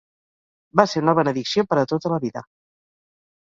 Va ser una benedicció per a tota la vida.